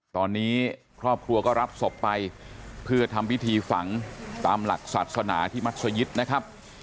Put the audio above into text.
ตอนนี้ครอบครัวก็รับศพไปเพื่อทำพิธีฝังตามหลักศาสนาที่มัศยิตนะครับ